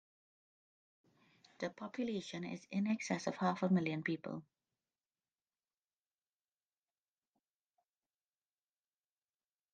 The population is in excess of half a million people.